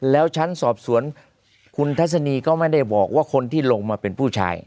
แล้วชั้นสอบสวนคุณทัศนีก็ไม่ได้บอกว่าคนที่ลงมาเป็นผู้ชาย